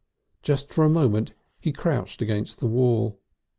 Just for a moment he crouched against the wall.